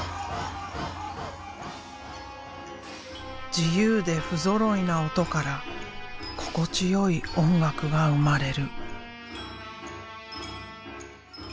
自由でふぞろいな音から心地よい音楽が生まれる。